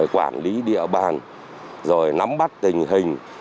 quản lý địa bàn nắm bắt tình hình